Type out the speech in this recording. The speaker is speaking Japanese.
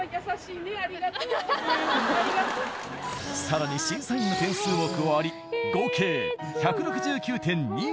更に審査員の点数も加わり合計１６９．２２０点。